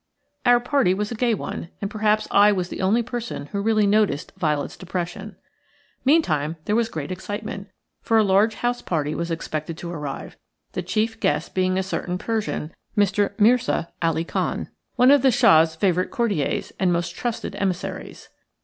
Our party was a gay one, and perhaps I was the only person who really noticed Violet's depression. Meantime there was great excitement, for a large house party was expected to arrive, the chief guest being a certain Persian, Mr. Mirza Ali Khan, one of the Shah's favourite courtiers and most trusted emissaries.